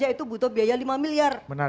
yaitu butuh biaya lima miliar